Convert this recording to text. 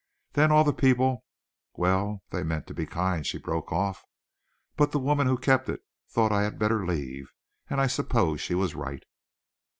Then all the people well, they meant to be kind," she broke off, "but the woman who kept it thought I had better leave, and I suppose she was right."